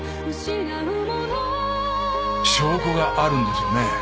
証拠があるんですよね？